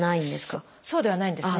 そうではないんですね。